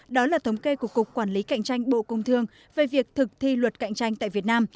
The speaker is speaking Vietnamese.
đó là thống kê của cục quản lý cạnh tranh bộ công thương về việc thực thi luật cạnh tranh tại việt nam